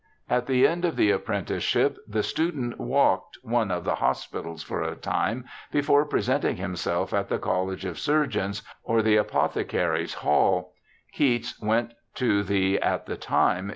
'^ At the end of the apprenticeship the student ' walked ' one of the hospitals for a time before presenting himself at the College of Surgeons or the Apothecary's Hall. Keats went to the, at that time.